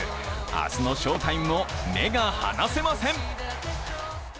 明日の翔タイムも目が離せません。